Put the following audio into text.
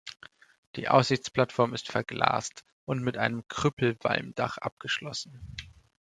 Die Aussichtsplattform ist verglast und mit einem Krüppelwalmdach abgeschlossen.